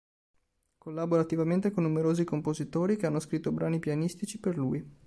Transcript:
Collabora attivamente con numerosi compositori che hanno scritto brani pianistici per lui.